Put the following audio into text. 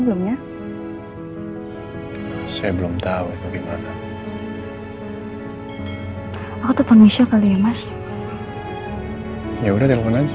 belumnya saya belum tahu itu gimana aku tetep nge share kali ya mas ya udah telepon aja